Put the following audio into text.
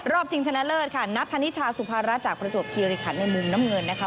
รอบทิ้งชนะเลิศค่ะณฑนิชาสุภาระจากประสุทธิภิริขาในมุมน้ำเงินนะคะ